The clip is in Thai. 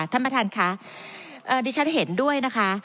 ท่านประธานค่ะดิฉันเห็นด้วยนะคะ